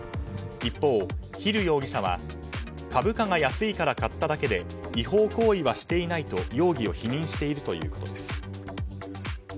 一方、ヒル容疑者は株価が安いから買っただけで違法行為はしていないと、容疑を否認しているということです。